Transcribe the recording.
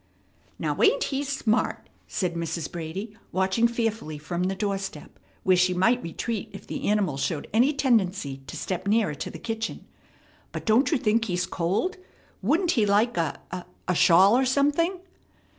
"Now, ain't he smart?" said Mrs. Brady, watching fearfully from the door step, where she might retreat if the animal showed any tendency to step nearer to the kitchen. "But don't you think he's cold? Wouldn't he like a a shawl or something?"